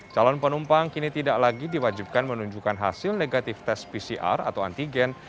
calon penumpang kini tidak lagi diwajibkan menunjukkan hasil negatif tes pcr atau antigen